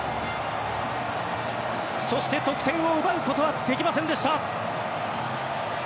そして得点を奪うことはできませんでした。